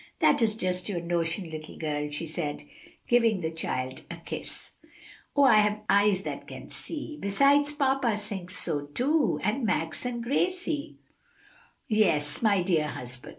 "That is just your notion, little girl," she said, giving the child a kiss. "Oh, I have eyes and can see! besides, papa thinks so, too, and Max and Gracie." "Yes, my dear husband!